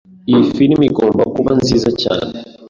Iyi firime igomba kuba nziza cyane.